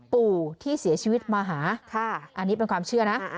ปู่ที่เสียชีวิตมาหาอันนี้เป็นความเชื่อนะ